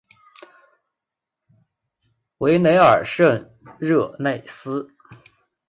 维莱尔圣热内斯。